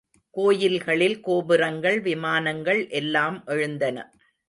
கோயில்களில் கோபுரங்கள், விமானங்கள் எல்லாம் எழுந்தன.